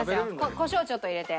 コショウちょっと入れて。